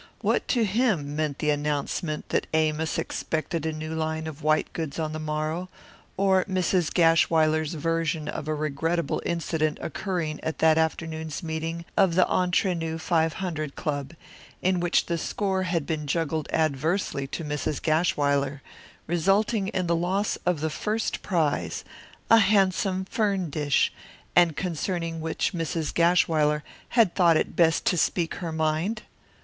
What to him meant the announcement that Amos expected a new line of white goods on the morrow, or Mrs. Gashwiler's version of a regrettable incident occurring at that afternoon's meeting of the Entre Nous Five Hundred Club, in which the score had been juggled adversely to Mrs. Gashwiler, resulting in the loss of the first prize, a handsome fern dish, and concerning which Mrs. Gashwiler had thought it best to speak her mind?